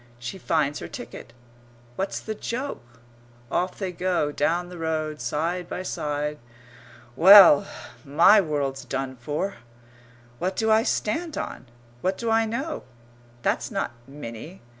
She finds her ticket. What's the joke? Off they go, down the road, side by side.... Well, my world's done for! What do I stand on? What do I know? That's not Minnie.